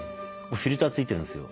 フィルター付いてるんですよ。